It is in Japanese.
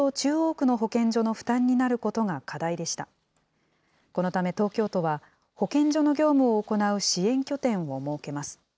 このため東京都は、保健所の業務を行う支援拠点を設けます。